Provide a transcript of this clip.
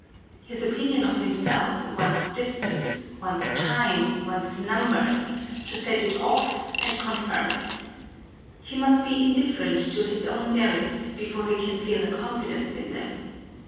His opinion of him self wants distance, wants time, wants numbers, to set it off and confirm it. He must be indifferent to his own merits before he can feel a confidence in them.